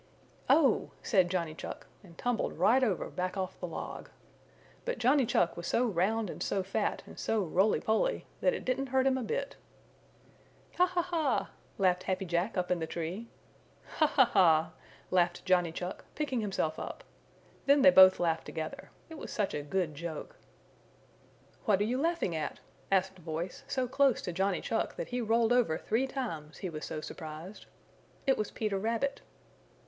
"Oh!" said Johnny Chuck, and tumbled right over back off the log. But Johnny Chuck was so round and so fat and so roly poly that it didn't hurt him a bit. "Ha! Ha! Ha!" laughed Happy Jack up in the tree. "Ha! Ha! Ha!" laughed Johnny Chuck, picking himself up. Then they both laughed together. It was such a good joke. "What are you laughing at?" asked a voice so close to Johnny Chuck that he rolled over three times he was so surprised. It was Peter Rabbit.